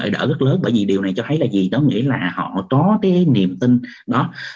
đỡ rất lớn bởi vì điều này cho thấy là gì đó nghĩ là họ có cái niềm tin đó